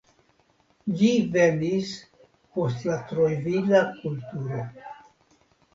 Ĝi venis post la Trojvila kulturo.